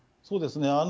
そうですね。